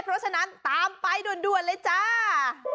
เพราะฉะนั้นตามไปด่วนเลยจ้า